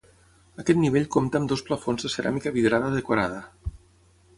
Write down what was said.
Aquest nivell compta amb dos plafons de ceràmica vidrada decorada.